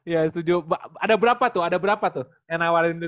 ya setuju ada berapa tuh ada berapa tuh yang nawarin itu